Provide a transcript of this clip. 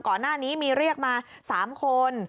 ก่อนหน้านี้มีเรียกมา๓คน